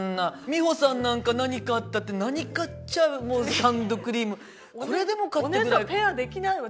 美穂さんなんか何かあったって何かあっちゃもうハンドクリームこれでもかってぐらい。